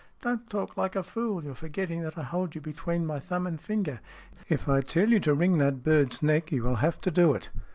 " "Don't talk like a fool! You are forgetting that I hold you between my thumb and finger. If I tell you to wring that bird's neck you will have to do it."